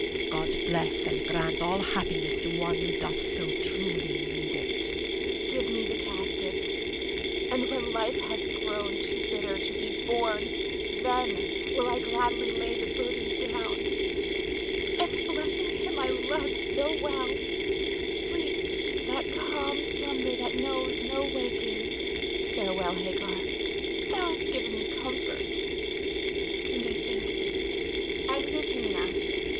God bless and grant all happiness to one who doth so truly need it. Nina. Give me the casket; and when life hath grown too bitter to be borne then will I gladly lay the burden down, and blessing him I love so well sleep that calm slumber that knows no awaking. Farewell, Hagar, thou hast given me comfort and I thank thee. [Exit Nina.